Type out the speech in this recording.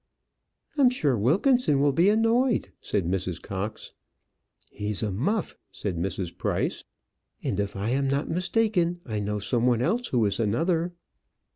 "I'm sure Wilkinson will be annoyed," said Mrs. Cox. "He's a muff," said Mrs. Price. "And, if I am not mistaken, I know some one else who is another."